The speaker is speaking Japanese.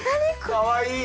かわいい！